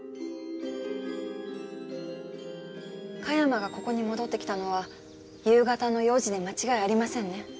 加山がここに戻ってきたのは夕方の４時で間違いありませんね？